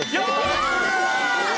やった！